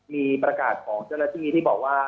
มีประกาศของเจ้าหน้าที่ที่บอกว่า